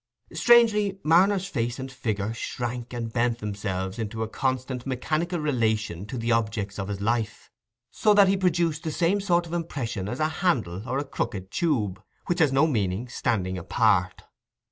Strangely Marner's face and figure shrank and bent themselves into a constant mechanical relation to the objects of his life, so that he produced the same sort of impression as a handle or a crooked tube, which has no meaning standing apart.